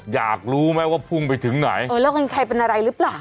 อยากรู้ไหมว่าพุ่งไปถึงไหนเออแล้วเป็นใครเป็นอะไรหรือเปล่า